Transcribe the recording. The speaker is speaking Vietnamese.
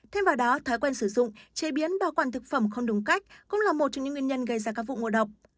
thêm vào đó thói quen sử dụng chế biến bảo quản thực phẩm không đúng cách cũng là một trong những nguyên nhân gây ra các vụ ngộ độc